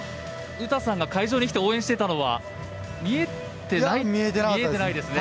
詩さんが会場に来て応援していたのは見えてないですね。